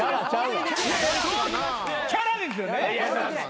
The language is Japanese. キャラですよね？